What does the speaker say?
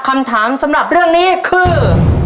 คำถามสำหรับเรื่องนี้คือ